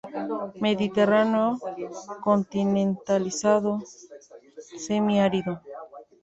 Mediterráneo continentalizado semi-árido.